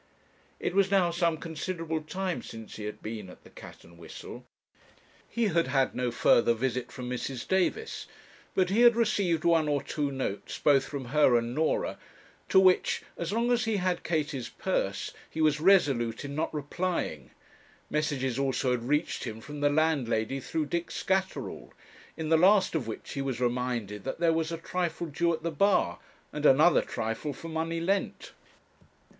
It was now some considerable time since he had been at the 'Cat and Whistle;' he had had no further visit from Mrs. Davis, but he had received one or two notes both from her and Norah, to which, as long as he had Katie's purse, he was resolute in not replying; messages also had reached him from the landlady through Dick Scatterall, in the last of which he was reminded that there was a trifle due at the bar, and another trifle for money lent.